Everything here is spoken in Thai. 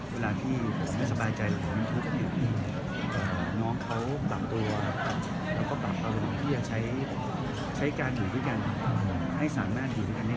เวลาที่ผมไม่สบายใจหรือว่าน้องเขาปรับตัวแล้วก็ปรับอารมณ์ที่จะใช้การอยู่ด้วยกันให้สามารถอยู่ด้วยกัน